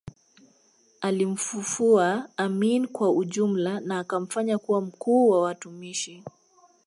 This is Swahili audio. Alimfufua Amin kwa ujumla na akamfanya kuwa mkuu wa watumishi